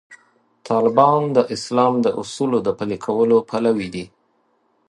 طالبان د اسلام د اصولو د پلي کولو پلوي دي.